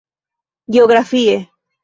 Geografie: